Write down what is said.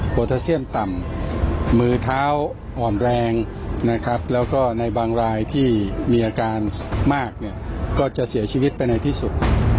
ทาเซียมต่ำมือเท้าอ่อนแรงนะครับแล้วก็ในบางรายที่มีอาการมากเนี่ยก็จะเสียชีวิตไปในที่สุด